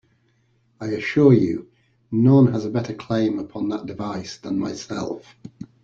I assure you, none has a better claim upon that device than myself.